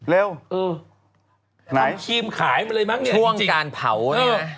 เร็วเออไหนข้ามครีมขายมาเลยมั้งเนี้ยช่วงการเผาเนี้ย